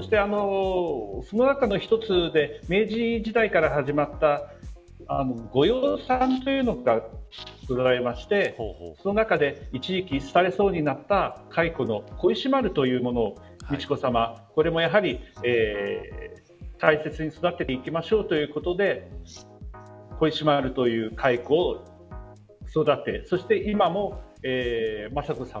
その中の一つで明治時代から始まった御養蚕というのがございましてその中で一時期廃れそうになったカイコの小石丸というものを美智子さまは、これもやはり大切に育てていきましょうということで小石丸というカイコを育てそして、今も雅子さま